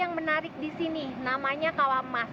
yang menarik di sini namanya kawah emas